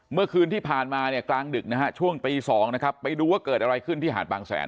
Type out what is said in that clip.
เมื่อคืนที่ผ่านมากลางดึกช่วงปี๒ไปดูว่าเกิดอะไรขึ้นที่หาดบางแสน